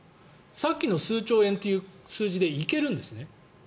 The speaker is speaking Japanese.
さっきの数兆円という数字で行けるんですね。